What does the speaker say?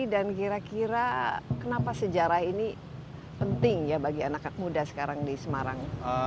dan kira kira kenapa sejarah ini penting bagi anak anak muda sekarang di semarang